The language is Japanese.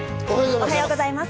おはようございます。